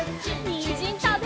にんじんたべるよ！